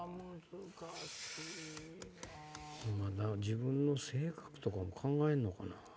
自分の性格とかも考えんのかな。